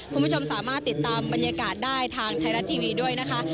คุณผู้ชมสามารถติดตามบรรยากาศได้ทางไทยรัฐทีวีด้วยนะคะ